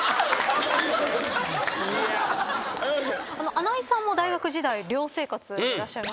穴井さんも大学時代寮生活でいらっしゃいますよね？